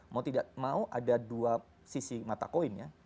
mau tidak mau ada dua sisi mata koin ya